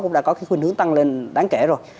cũng đã có khuyến hướng tăng lên đáng kể rồi